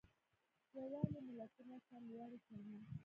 یووالی ملتونه سرلوړي کوي.